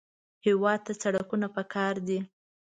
هېواد ته سړکونه پکار دي